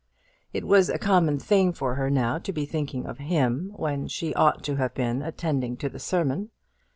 It was a common thing for her now to be thinking of him when she ought to have been attending to the sermon.